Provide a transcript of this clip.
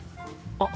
あっ。